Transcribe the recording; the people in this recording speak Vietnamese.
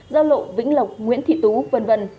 giao lộ vĩnh lộc nguyễn thị tú v v